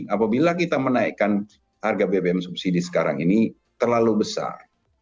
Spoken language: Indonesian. apabila kita menaikkan harga bbm subsidi sekarang ini terlalu besar